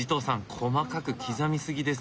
細かく刻み過ぎです。